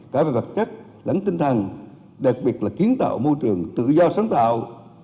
cả về vật chất lẫn tinh thần đặc biệt là kiến tạo môi trường tự do sáng tạo